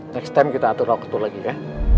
next time kita atur waktu lagi ya